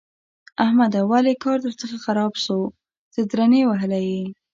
احمده! ولې کار درڅخه خراب شو؛ څه درنې وهلی يې؟!